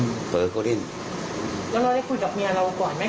ก่อนที่จะไปทำร้ายเขาอะไรอย่างนี้